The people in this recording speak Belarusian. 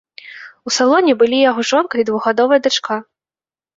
У салоне былі яго жонка і двухгадовая дачка.